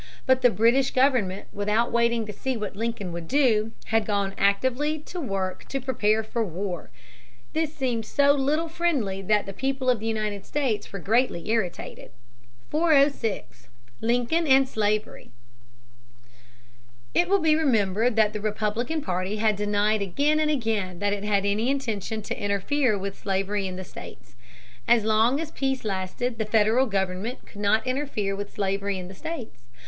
But the British government, without waiting to see what Lincoln would do, had gone actively to work to prepare for war. This seemed so little friendly that the people of the United States were greatly irritated. [Sidenote: The war powers of the President.] [Sidenote: Lincoln follows Northern sentiment.] 406. Lincoln and Slavery. It will be remembered that the Republican party had denied again and again that it had any intention to interfere with slavery in the states. As long as peace lasted the Federal government could not interfere with slavery in the states.